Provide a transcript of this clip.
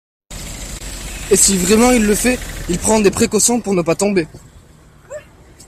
et si vraiment il le fait, il prend des précautions pour ne pas tomber.